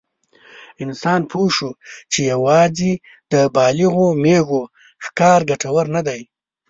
انسان پوه شو چې یواځې د بالغو مېږو ښکار ګټور نه دی.